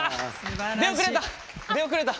出遅れた！